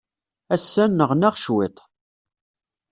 Ass-a, nneɣnaɣ cwiṭ.